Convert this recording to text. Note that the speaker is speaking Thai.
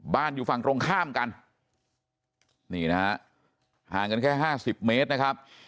อยู่ฝั่งตรงข้ามกันนี่นะฮะห่างกันแค่ห้าสิบเมตรนะครับ